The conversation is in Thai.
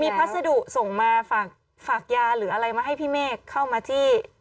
พัสดุส่งมาฝากยาหรืออะไรมาให้พี่เมฆเข้ามาที่